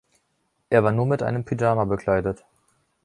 Er war nur mit einem Pyjama bekleidet.